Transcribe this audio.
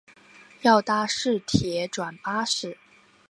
要搭市铁转巴士